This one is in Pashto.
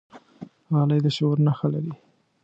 غلی، د شعور نښه لري.